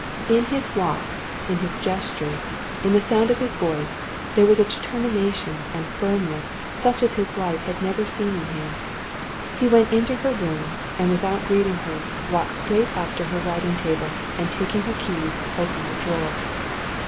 In his walk, in his gestures, in the sound of his voice there was a determination and firmness such as his wife had never seen in him. He went into her room, and without greeting her, walked straight up to her writing table, and taking her keys, opened a drawer.